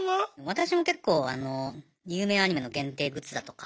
私も結構有名アニメの限定グッズだとか